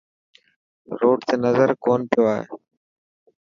روڊ تي نظر ڪون پيو آئي.